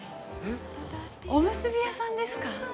おむすび屋さんですか。